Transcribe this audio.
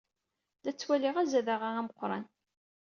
La ttwaliɣ azadaɣ-a ameqran.